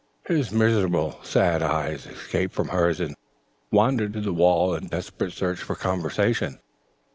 His miserable eyes escaped from hers and wandered to the wall in desperate search for conversation.